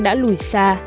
đã lùi xa